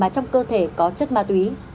trong cơ thể có chất ma túy